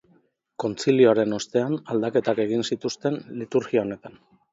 Kontzilioaren ostean aldaketak egin zituzten liturgia honetan.